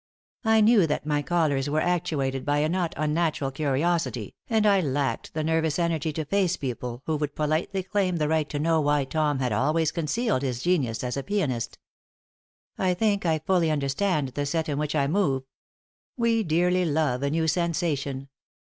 I knew that my callers were actuated by a not unnatural curiosity, and I lacked the nervous energy to face people who would politely claim the right to know why Tom had always concealed his genius as a pianist. I think I fully understand the set in which I move. We dearly love a new sensation.